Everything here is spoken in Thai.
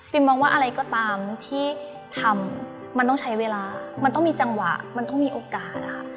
มองว่าอะไรก็ตามที่ทำมันต้องใช้เวลามันต้องมีจังหวะมันต้องมีโอกาส